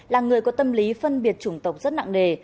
là người có tâm lý phân biệt chủng tộc rất nặng nề